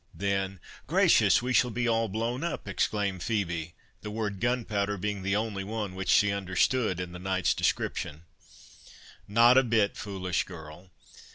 Then"— "Gracious! we shall be all blown up!" exclaimed Phœbe,—the word gunpowder being the only one which she understood in the knight's description. "Not a bit, foolish girl.